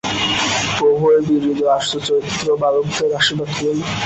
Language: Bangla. প্রভু এই বীরহৃদয় ও আদর্শচরিত্র বালকদের আশীর্বাদ করুন।